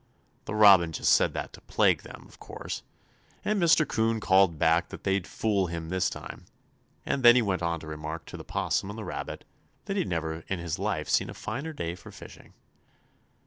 The Robin just said that to plague them, of course, and Mr. 'Coon called back that they'd fool him this time, and then he went on to remark to the 'Possum and the Rabbit that he'd never in his life seen a finer day for fishing.